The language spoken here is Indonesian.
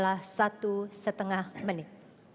waktunya adalah satu lima menit